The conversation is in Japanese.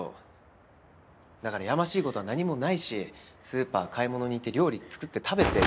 だからやましい事は何もないしスーパー買い物に行って料理作って食べて。